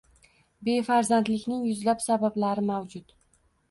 Befarzandlikning yuzlab sabablari mavjud.